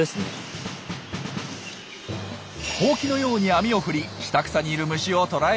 ほうきのように網を振り下草にいる虫を捕らえる方法です。